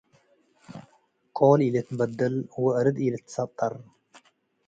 ቆል ኢልትበደል ወአርድ ኢልትሰጠር።